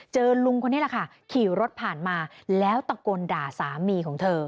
ลุงคนนี้แหละค่ะขี่รถผ่านมาแล้วตะโกนด่าสามีของเธอ